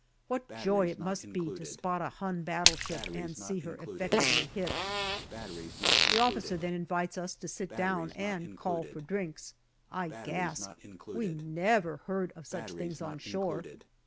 What joy it must be to spot a Hun battleship and see her effectively hit ! The officer then invites us to sit down and call for drinks. I gasp ; we never heard of such things on shore.